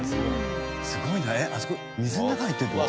すごいなえっあそこ水の中入ってるって事？